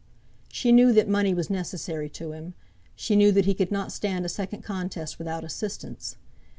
She knew that money was necessary to him. She knew that he could not stand a second contest without assistance.